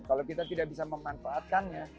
kalau kita tidak bisa memanfaatkannya